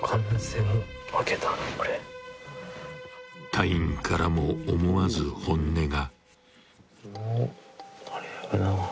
［隊員からも思わず本音が］